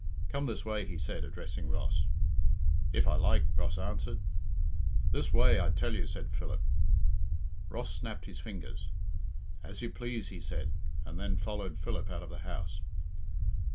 "Come this way," he said, addressing Ross. "If I like," Ross answered. "This way, I tell you," said Philip. Ross snapped his fingers. "As you please," he said, and then followed Philip out of the house.